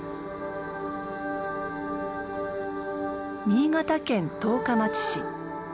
新潟県十日町市。